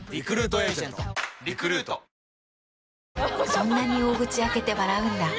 そんなに大口開けて笑うんだ。